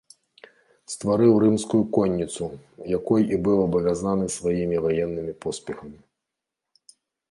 Стварыў рымскую конніцу, якой і быў абавязаны сваімі ваеннымі поспехамі.